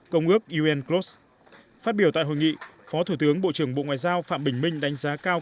công ước unclos phát biểu tại hội nghị phó thủ tướng bộ trưởng bộ ngoại giao phạm bình minh đánh giá cao